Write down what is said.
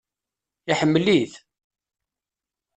Iḥemmel-it?